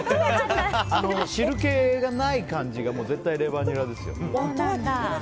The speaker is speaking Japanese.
汁気がない感じが絶対レバニラですよ。